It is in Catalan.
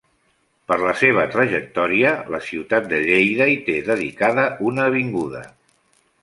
Per la seva trajectòria la ciutat de Lleida hi té dedicada una avinguda.